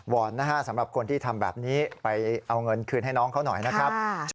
อนนะฮะสำหรับคนที่ทำแบบนี้ไปเอาเงินคืนให้น้องเขาหน่อยนะครับ